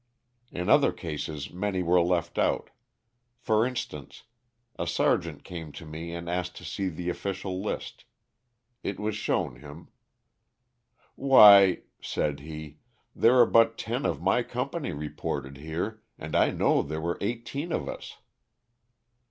In other cases many INTRODUCTION. 11 were left out; for instance, a sergeant came to me and asked to see the official list. It was shown him. *^ Why/' said he, '* there are but ten of my company reported here iand I know there were eighteen of us."